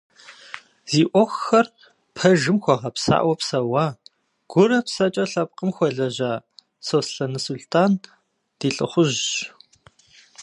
Зи ӏуэхухэр пэжым хуэгъэпсауэ псэуа, гурэ псэкӏэ лъэпкъым хуэлэжьа Сосналы Сулътӏан ди лӏыхъужьщ.